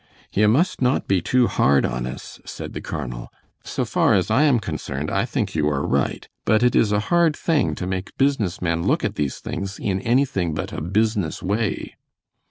"You must not be too hard on us," said the colonel. "So far as I am concerned, I think you are right, but it is a hard thing to make business men look at these things in anything but a business way."